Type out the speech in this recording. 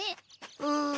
うん。